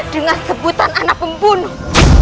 dengan sebutan anak pembunuh